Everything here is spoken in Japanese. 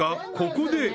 ここで］